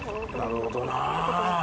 なるほどなあ。